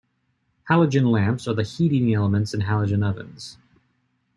Halogen lamps are the heating-elements in halogen ovens.